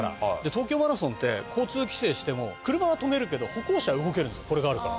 東京マラソンって交通規制しても車は止めるけど歩行者は動けるこれがあるから。